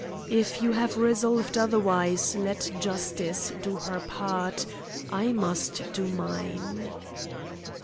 If you have resolved otherwise, let justice do her part, I must do mine."